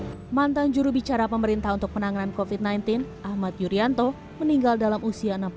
hai mantan jurubicara pemerintah untuk penanganan kofit sembilan belas ahmad yuryanto meninggal dalam usia enam puluh